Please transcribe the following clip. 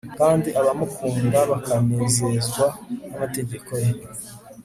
kandi abamukunda bakanezezwa n'amategeko ye